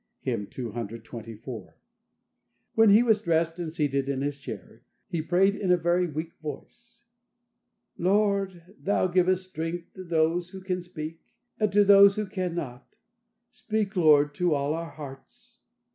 Hymn 224. When he was dressed and seated in his chair, he prayed in a very weak voice: "Lord, Thou givest strength to those who can speak, and to those who cannot; speak, Lord, to all our hearts."